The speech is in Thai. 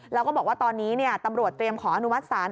แล้วก็บอกว่าตอนนี้ตำรวจเตรียมขออนุมัติศาล